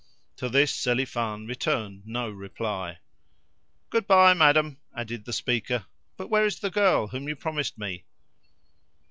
To this Selifan returned no reply. "Good bye, madam," added the speaker. "But where is the girl whom you promised me?"